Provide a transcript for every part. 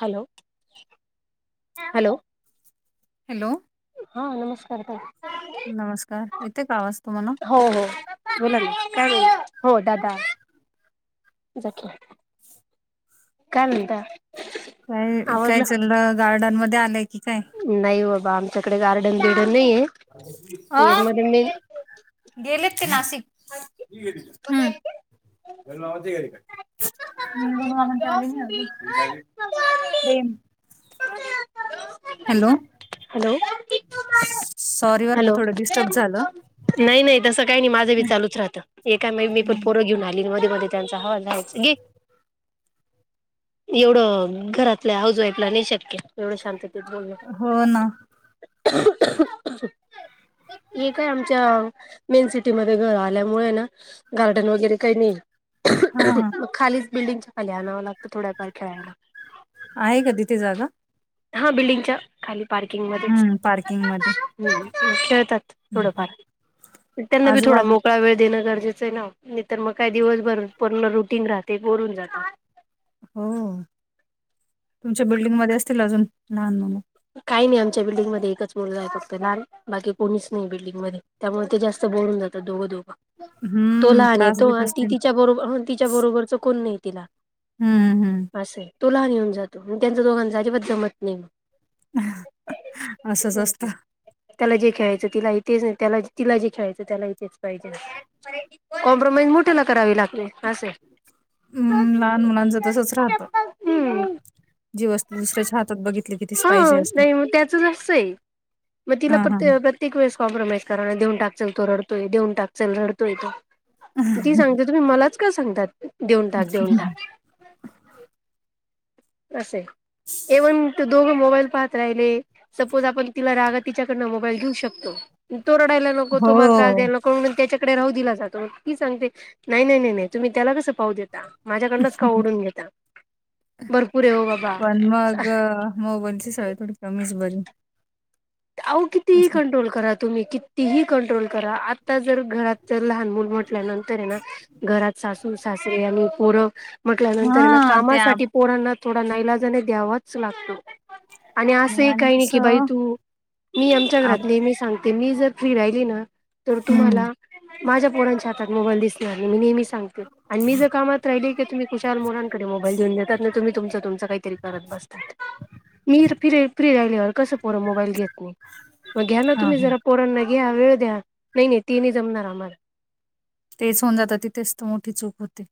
Hello hello, [unintelligible] hello, हा नमस्कार ताई, नमस्कार येते का आवाज तुम्हाला हो-हो बोला ना काय बोला हो दादा [inaudible] जा कि काय म्हणता? काय नाय काय आवरलं? चालय गार्डन मध्ये आलेय नाही बाबा आमच्याकडे गार्डन-बिर्डन हा आ गेले, नाशिक ह, [unintelligible] निंदनवा म्हणंत आले नाही अजून, प्रेम, हॅलो, हॅलो सॉरी बर का हॅलो थोडं डिस्टर्ब झालं नाही-नाही तस काही नाही माझं बी चालूच राहत ए काय मी पण पोरं घेऊन आली मध्ये-मध्ये त्यांचा आ च ग एवढ घरातल्या हाऊस वाईफला नाही शक्य एवढं शांततेत बोलण हो ना [unintelligible] हे काय आमच्या मेन सिटीमध्ये घर आल्यामुळे ना गार्डन वगैरे काही नाही हा हा हा मग खालीच बिल्डिंगच्या खाली आणावं लागतं थोड्याफार खेळायला आहे का तिथे जागा, हा बिल्डिंगच्या खाली पार्किंग मध्येच हम्म पार्किंग मध्ये खेळतात थोडंफार त्यांना बी थोडा आजूबाजू मोकळा वेळ देणं गरजेचं नाही तरर मग काय दिवसभर पूर्ण रुटीन राहते बोर होऊन जात हो तुमच्या बिल्डिंग मध्ये असतील, अजून लहान मुल काही नाही आमच्या बिल्डिम मध्ये एकच मुलं जाय शकत लहान बाकी कोणीच नाही बिल्डिंग मध्ये त्यामुळे ते जास्त बोर होऊन जात त दोघ-दोघं तो हम्म लहान आहे त्रास तो देत आणि ती असतील तिच्या बरोबर तिच्या बरोबरच कोण नाही तिला हम्ममम-हम्म, असं आहे तो लहान येऊन जातो म त्यांचं दोघांना अजिबात जमत नाही. असंच असतं त्याला जे खेळायचं तिलाही तेच नाही त्याला तिला जे खेळायचं त्याला हि तेेच पाहिजे कॉम्प्रोमाइज मोठ्याला करावी लागते ते अस हम्म लहान मुलांच तसच राहतं हम् जी वस्तू दुसऱ्याच्या हातात बघितली की तीच हा पाहिजे असते नाही मग त्याच असंये मग तिला हां, हां, हां. प्रत्येक वेळी कॉम्प्रमाईज कराय देऊ टाकते चल तो रडतोय देऊन टाकल चल रडतोय तो ती सांगते तुम्ही मलाच का सांगतात देऊन टाक देऊन टाक असे ए वन टु दोघ मोबाईल पाहत राहिले सपोज आपण तिला राग तिला तिच्याकडन मोबाईल घेऊ शकतो तो रडायला नको तो मला त्रास हो. द्यायला नको त्याच्या कडे राहू दिला जातो ती सांगते नाही नाही नाही तुम्ही त्याला कसं पाहू देता माझ्याकडनच का ओढून घेता भरपूर आहे हो बाबा पण मग मोबाईलची सवय थोडी कमीच बरी अहो कितीही तसं कंट्रोल करा तुम्ही कितीही कंट्रोल करा आता जर घरात तर लहान मुल म्ह लग्ना नंतर ना घरात सासूर सासरी आणि पोरं म्हटल्यानंतर ना हां, ते कामासाठी ॲपने पोरांना थोडा नाईलाजान द्यावाच लागतो आणि असंही आणि काही नाही की बाई कसं तू मी आमच्या घरात ॲप नेहमी सांगते म्हणते मी जर फ्री राहिली ना तर हं, तुम्हाला माझ्या पोरच्या हाता त मोबाईल दिसनार नाही मी नेहमी सांगते सांगते मी जर कामात राहिली कि तुम्ही खुशाल मुलाकडे मोबाईल देऊ देतात ना तुम्ही तुच तुच काय तरी काही तरी करत बसता ते करत बसता मी फ्री राहिली तर कस पोर मोबाईल बगतील कोण मग घ्या ना हां, तुम्ही हां. जरा पोरण नाही घ्या वेळ द्या नाही नाही ते नाही जमणार आम्हाला तेच होऊन जात तिथेच तर मोठी चूक होते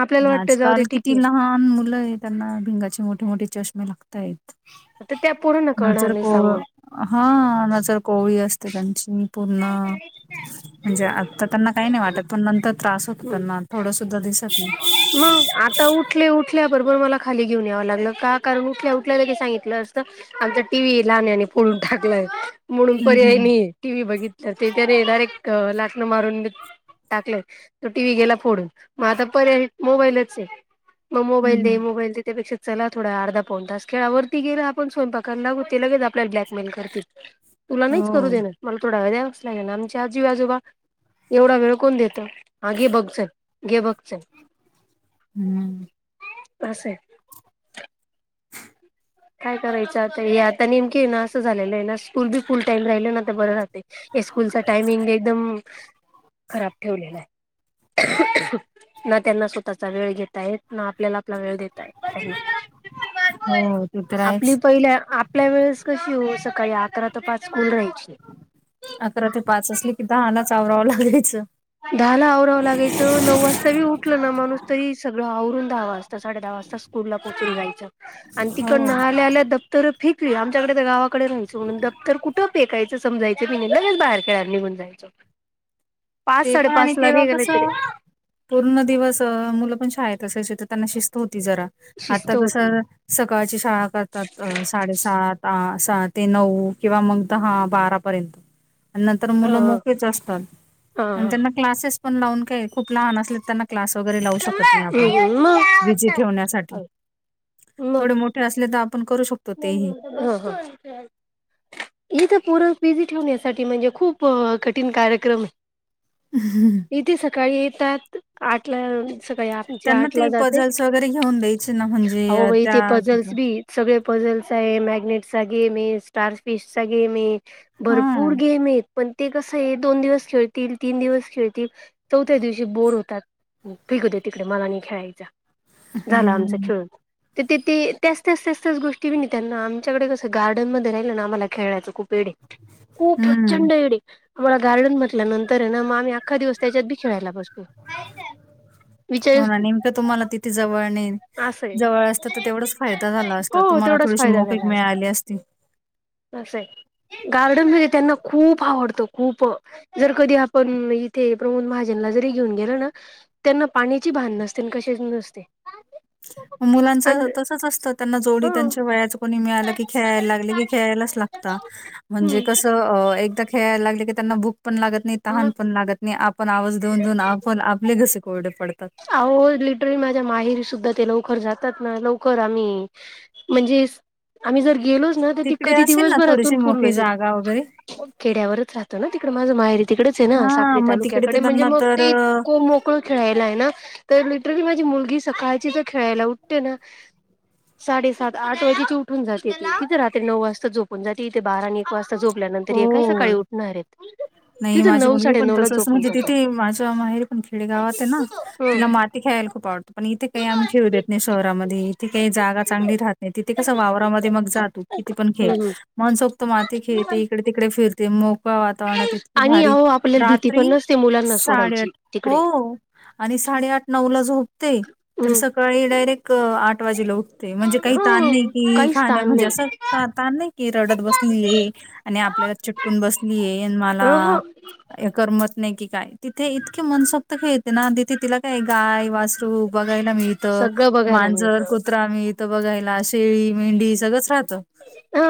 आपल्याला आणि वाटतं जाऊ दे आजकाल ठीक किती आहे लहान मुलं आहे त्यांना भिंगाचे मोठे मोठे चष्मे लागतायत आता त्या पोरांना कळणार नजर नाही को सांगून हा नजर कवळी असते त्यांज्याशी मी पूर्ण म्हणजे आता त्यांना काही नाही वाटत पण नंतर त्रास होतो त्यांना थोडं सुद्धा दिसत नाही मग आता उठले उठल्या बरोबर मला खाली घेऊन यावं लागलं का कारण उठल्या उठल्या सांगितलं असतं आमचा टीव्ही लहान आहे फोन टाकलाय म्हणून हं, हं, पर्याय हं. नाहीये टीव्ही बघत तर ते डायरेक्ट लाटणं मारून टाकले तो टी व्ही गेला फोडून मग आता पर्याय मोबाईलच आहे मग हं, मोबाईल दे हं. मोबाईल दे त्यापेक्षा चला थोडा अर्धा पन तास खेळा वरती गेला आपण स्वयंपाकाला लागो तिला बी तीच आपल्याला ब्लॅकमेल करते तुला नाही करूच हो. देणार मला थोडा वेळ द्या ना कस हाय ना आमच्या आजी आजोबा एवढा वेळ कोण देतं हा घे बघ चल गे बघ चल हं. असय काय करायचं आता हे आता नेमकीे आहे ना असं झालेलं आहे ना स्कूल बी फुल टाइम राहिलं ना तर बरं राहतय हे स्कूलचा टायमिंग एकदम खराब ठेवलेला आहे ना त्यांना स्वतःचा वेळ घेेतय ना आपल्याला आपला वेळ देेता येत त हो, ते तर आहेच. आपली पहिल्या आपल्या वेळेस कशी हो सकाळी अकरा ते पाच स्कूल राहायची अकरा ते पाच असले कि दहानच आवरावं लागायचं दहा ला आवराय व लागायचं नऊ वाजता उठते उठलो ना माणूस तरी सगळं आवरून साडेदहा वाजता स्कूलला पोचून जायचं आणि हो तिकडंन आल्या आल्या दप्तर फेकली आमच्याकडे तर गावाकडे राहायचं दप्तर कुठे फेकायचं समजायचं नाही लगेच बाहेर बाहेर खेळायला निघून जायचो पाच ते पण आणि साडेपाच ला तेव्हा निघाले कस तरी पूर्ण दिवस मुलं ते पण शाळेत असायचे त्यांना शिस्त होती ती जरा आता शिस्त कस होती सकाळची शाळा करतात साडे सात आठ दहा ते नऊ किंवा मग दहा बारापर्यंत नंतर मुल हा मोकळीच असतात हा आणि हा त्यांना कलाससेस लावून काही खूप लहान असले त्यांना क्लास दिवा वगैरे लावू शकत नाही आपण विजे ठेवण्यासाठी थोडे मोठे असले तर आपण करू शकतो तेही. इथे पोर बीजे टेवण्यासाठी त्या साठी म्हणजे खूप कठीण कार्यक्रम इथे सकाळी येतात आटला सकाळी आठ त्यांना आठ ला ते जाते पझल्स वगैरे घेऊन द्यायचे ना म्हणजे अ, अहोबाई ते त्या पझल्स तिथं बी सगळे पझल्स आहे मॅग्नेट चा गेम आहे स्टार फिश चा गेम आहे हा भरपूर गेम आहे पण ते कसं आहे दोन दिवस खेळतील तीन दिवस खेळतील चौथ्या दिवशी बोर होतात फेकूदे तिकडे मला नाही खायचा. झाला आमचा हम्म, खेळून त ति ती त्याच त्याच त्यास त्याच गोष्टी किवी मी त्यांना आमच्याकडे कस गार्डनमध्ये राहिलं ना आम्हाला खेळायचं खूप वेडे खूप हम्म. प्रचंड येडे तुम्हाला गार्डन म्हटल्या नंतरेना मग आम्ही अख्खा दिवस त्याच्यात बी खेळायला बसतो. विचार हो ना नेमकं तुम्हाला तिथे जवळ नाही असं आहे. जवळ असत तर तेवढाच फायदा झाला असता तुम्हाला त्याचाच थोडीशी फायदा झाला मोकळीक मिळाली असती. असता असय गार्डन तुझं हे त्यांना खूप आवडत खूप जर कधी आपण इथे प्रमोद महाजनला जरी घेऊन गे [unintelligible] त्यांना पाण्याची भान नसते न कशाची नसते. मुलांच आणि तसच असतं त्यांना ह जोडी त्यांच्या वयाच कुणी मिळालं की खेळाय लागल की खेयलाच लागत म्हणजे हम्म कस एकदा खेळायला लागले की त्यांना भूक पण लागत नाही मग तहान पण लागत नाही आप पण आवाज देऊन देऊन आपण आपले घसे कोरडे पडतात. अहो लिटरली माझ्या माझा माहेरी सुद्धा ते लवकर जातात ना लवकर आम्ही म्हणजे आम्ही जर गेलोच ना त ती तिकडे कधी असेल ना दिवसभरातून थोडीशी पूर्ण मोकळी जागा वगैरे? खेड्यावरच राहतो ना तर माझं माहेरी तिकडेच आहे ना साकरी हां, मग तिकडे तालुक्याकडे तर म्हणजे त्यांना मग तर ती अ, इतक मोकळ खेळायला आहे ना तर लिटरली माझी मुलगी सकाळची तर खेळायला उठते ना साडेसात आठ वाजेची उठून जाते तिथे रात्री नऊ वाजता झोपून जाते तथे बारा आण एक वाजता झोपल्यानंतर ह्या काय सकाळी हो. उठणारेत. नाही माझी मुलगी पण तसच म्हणजे ती तिथे माझ्या माहेरी पण खेडे गावाते ना तिला माती खेळायला खूप आवडतं पण इथे काही आम्ही खेळू देत नाही शहरामध्ये इथे काही जागा चांगली राहत नाही तिथे कस वावरामध्ये मग जा तु किती पण खेळ हम्म म्हणसोक्त माती खेळते इकडे तिकडे फिरते मो बा वातावरणात इतकी आणि भारी अहो आपल्याला भीती पण रात्री नसते मुलांना साडे सोडायची आठ तिकडे हो आणि साडेआठ नऊ ला झोप ते तर हम्म सकाळी डायरेक क आठ वाजेला उठते म्हणजे काही हा ताण नाही कि काहीच खाणे ताण म्हणजे नाही. असं ताण नाही की रडत बसले. [unintelligible] आणि आपल्याला चिटकून बसलीय अन अ मला ह करमत नाई की काय तिथे इतके मनसोक्त खेळते ना तिथे तिला काय गाय वासरू बघ बघायला मिळत. सगळं बघायला मांजर, मिळतं. कुत्रा मिळत बघायला. शेळी, मेंढी सगळंच राहतं हा.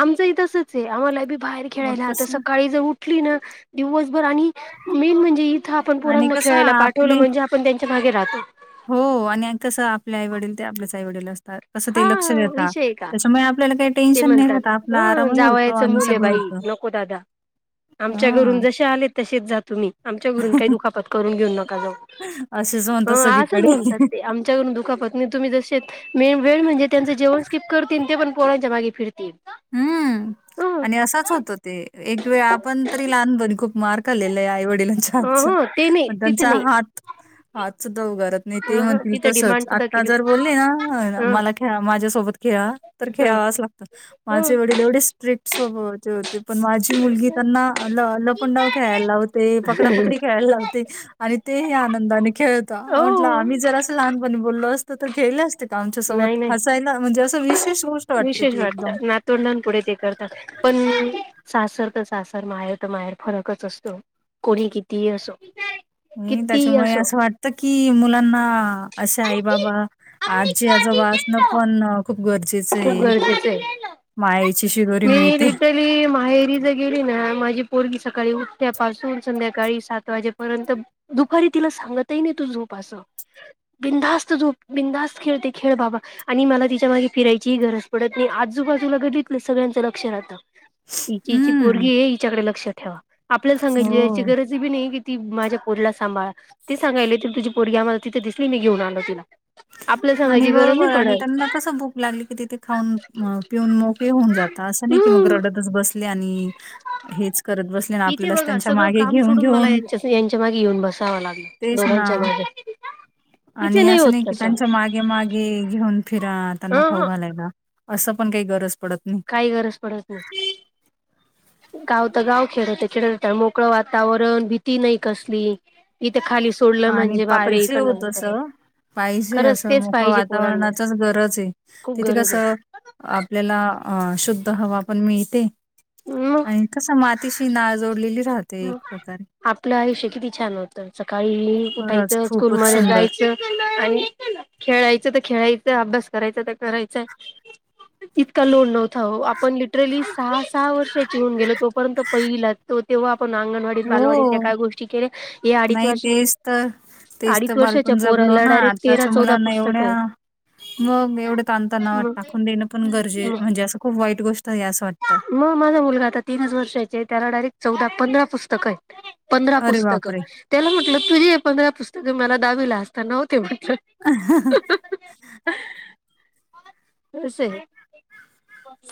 आमच ही असचे आहे आम्हाला बी बाहेर मग खेळायला आता कसं सकाळी जर उठली ना दिवसभर आणि मेन म्हणजे इथं आपण आणि पोरांना. कसं खेळायला पाठवलं आपले म्हणजे आपण त्यांच्या मागे राहतो. हो आणि कसं आपले आईवडील ते आपलेच आई वडील अस तसं हा ते लक्ष देता विषय आहे का त्याच्यामुळे आपल्याला काही ते टेन्शन नाही म्हणतात राहत आपला ह आरामही होतो जावयाचं आणि मुल आहे सगळं बाई होत. नको दादा आमच्या घरून जसे आले तसेच जा तुम्ही आमच्या घरून काही दुखापत करून घेऊन नका जाऊ. असेच अ म्हणतात असंच म्हणत सगळीकडे असते आमच्याकडून दुखापत तुम्ही जसे मी वेळ म्हणजे त्यांचं जेवण स्किप करती न ते पण पोरांच्या मागे फिरती. हम्म आणि असच होत ते एक वेळ आपण तरी लहानपणी खूप मार खाल्लेलाय आईवड बेलनचा हातच ह ते नाही पण तिथे त्यांचा नाही हात हात सुद्धा उगारत नाही ते ह ह म्हणतील तिथं डिमांड तसच सुद्धा आत्ता केली जर बोलले ना ह मला खेळा माझ्यासोबत खेळा तर ह खेळावाच लागत माझे वडील एवढे स्ट्रिक स्वभावाचे होते. पण माझी मुलगी त्यांना ल लपंडाव खेळायला लावते पकडापकडी खेळायला लावते आणि तेही आनंदाने खेळता हो म्हटलं आम्ही जर असं लहानपणी बोललो असतो तर खेळले असते का? नाही आमच्यासोबत नाही हसायला म्हणजे असं विशेष गोष्ट वाटते ती एकदम. तोंडांपुढे ते करतात पण सासर तर सासर माहेर तर माहेर फरकच असतो. कोणी कितीही असो नाही कितीही त्याच्यामुळे असो असं वाटत की मुलांना अ आई बाबा आजी आज वास ना पण खूप गरजेचं खूप आहे गरजेचं आहे. माय मी रिटली माहेरी ज गेली ना माझी पोरगी स सकाळी उठ्यापासून संध्याकाळी सात वाजेपर्यंत दुपारी तिला सांगतही नाही तू झोप असं बिधास्त झूप बिंदधास्त खेळते खेळ बाबा आणि मला तिच्या मागे फिरायची गरज पडते मी आजूबाजूला घडीितलं सगळ्यांचं लक्ष राहतं हिचीची हम्म. पोरगी आहे हिच्याकडे लक्ष ठेवा आपल्याला सांगायची यायची हो गरजी बी नाही ती माझ्या पोरीला सांभाळ ते सांगायले त तझी पोरगी आम्हाला तिथे दिसली नाही घेऊन आल तिला आपल्याला आणि सांगायची गरज नाही बरोबर आणि पडत. त्यांना कस भूक लागली की तिथे खाऊन पिऊन मग होन जात असं नाही की मग हम्म. रडतच बस आणि इथे आपल्यालाच बघा त्यांच्या सगळं मागे काम सोडून मला घेऊन-घेऊन यांच्या यांच्या मागे येऊन बसत सावं लागल तेच ना दोघांच्या मागे तिथे आणि असं होत नाही कि तसं त्यांच्या मागे मागे घेऊन फिरा ह त्यांना खाऊ घालायला असं पण काही गरज पडत नाही. काय गरज पड तू गाव तर गाव खेळते खेळत मोकळं वातावरण भीती नाही कसली ते खाली सोडलं आणि म्हणजे बापर हे पाहिजे हो करणार तसं पाहिजे असं मोक वातावरणाचच गरज आहे खूप तिथे गरज आहे कसं आपल्याला अ शुद्ध हवा पण मिळते मग आणि कसं मातीशी नाळ जोडलेली राहते एक प्रकारे आपलं आयुष्य किती छान होतं सकाळी उठायच खरंच स्कूल खूपच म सुंदर जायच आणि खेळायचं खे घ्यायचं अभ्यास करायचा ते करायचंय तितका लोड नव्हता आपण लिटरली सहा सहा वर्षाचीि होून गेलो तोपर्यंत पहिला ण अंगणवाडी हो बालवाडींच्या काय गोष्टी केल्या हे अडीच नाही वर्ष तेच तर तेच अडीच तर वर्षाच्या बालपण जगलो पोराला ना डायरेक्ट तेरा आताच्या चौदा मुलांना पुस्तकं आहेत एवढ्या मग एवढे ताणताणा मग टाकून देणं पण गरजे म्हणजे असं खूप वाईट गोष्ट आहे असं वाटतं मग माझा मुलगा आता तीनच वर्षाचे त्याला डायरेक्ट चौदा पंधरा पुस्तकं आहेत पंधरा अरे बापरे पुस्तकं त्याला म्हटलं तुझी हे पंधरा पुस्तकं मला दावी ला असताना्ह ते म्ह स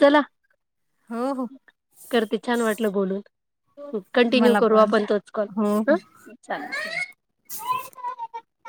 चला हो हो करते छान वाटलं बोलून कंटिन्यू मला करू पण आपण तोच कॉल हो हो ह चाल [unintelligible]